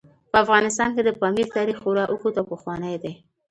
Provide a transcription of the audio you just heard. په افغانستان کې د پامیر تاریخ خورا اوږد او پخوانی دی.